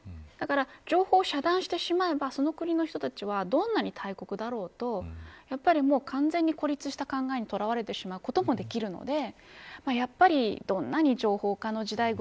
だから、情報を遮断してしまえばその国の人たちはどんなに大国だろうと完全に孤立した考えにとらわれてしまうこともできるのでやはり、どんなに情報化の時代